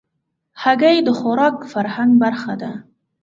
هګۍ د خوراک فرهنګ برخه ده.